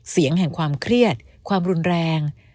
เสียงแห่งความเครียดความรุนแรง